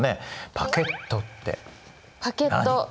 パケットって何？